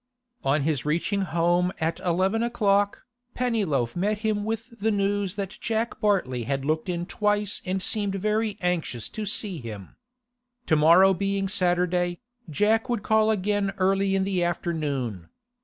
On his reaching home at eleven o'clock, Pennyloaf met him with the news that Jack Bartley had looked in twice and seemed very anxious to see him. To morrow being Saturday, Jack would call again early in the afternoon.